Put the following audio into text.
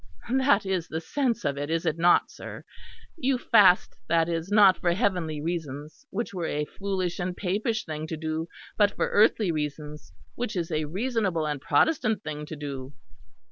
That is the sense of it, is it not, sir? You fast, that is, not for heavenly reasons, which were a foolish and Papish thing to do; but for earthly reasons, which is a reasonable and Protestant thing to do."